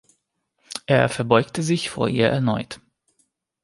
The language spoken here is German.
Er verbeugte sich vor ihr erneut.